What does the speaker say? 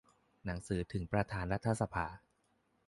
หนังสือถึงประธานรัฐสภา